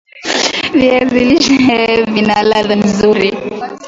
viazi lishe vina ladha nzuri